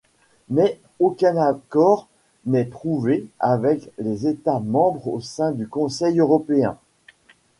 Mais aucun accord n'est trouvé avec les États membres au sein du Conseil européen.